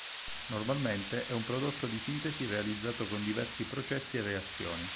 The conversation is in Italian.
Normalmente è un prodotto di sintesi realizzato con diversi processi e reazioni.